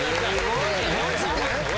マジで？